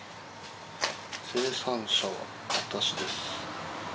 「生産者は私です」。